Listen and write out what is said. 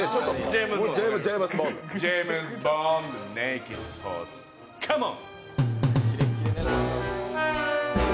ジェームズ・ボンドネイキッド・ポーズ、カモン！